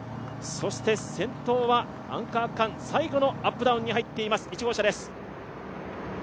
先頭はアンカー区間、最後のアップダウンに入っています。